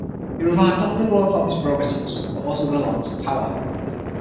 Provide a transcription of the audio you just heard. He revived not only the royal family's prerogatives, but also their lands and power.